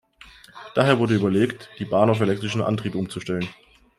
Daher wurde überlegt, die Bahn auf elektrischen Antrieb umzustellen.